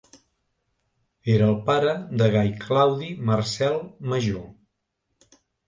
Era el pare de Gai Claudi Marcel Major.